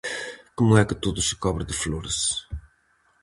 Como é que todo se cobre de flores?